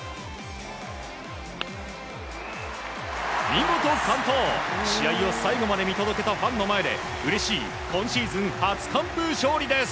見事完投！試合を最後まで見届けたファンの前でうれしい今シーズン初完封勝利です。